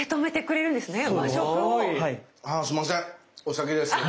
あすんませんお先です。